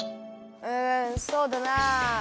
うんそうだなあ。